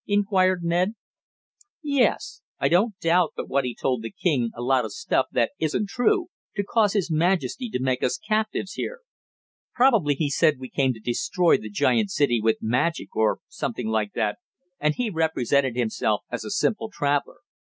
inquired Ned. "Yes. I don't doubt but what he told the king a lot of stuff that isn't true, to cause his majesty to make us captives here. Probably he said we came to destroy the giant city with magic, or something like that, and he represented himself as a simple traveler.